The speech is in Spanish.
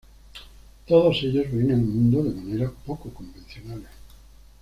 Todos ellos ven el mundo de maneras poco convencionales.